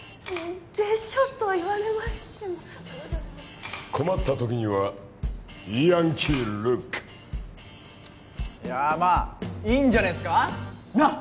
「でしょ」と言われましても困った時にはヤンキールックいやまあいいんじゃねえっすかなっ？